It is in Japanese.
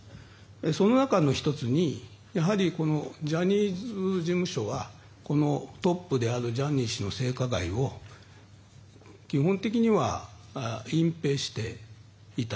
その中の１つにやはり、ジャニーズ事務所はトップであるジャニー氏の性加害を基本的には隠ぺいしていた。